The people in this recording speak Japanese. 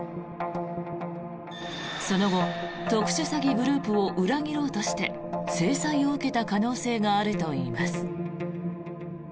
その後、特殊詐欺グループを裏切ろうとして制裁を受けた可能性があるといいます。